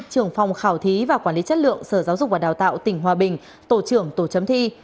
trưởng phòng khảo thí và quản lý chất lượng sở giáo dục và đào tạo tỉnh hòa bình tổ trưởng tổ chấm thi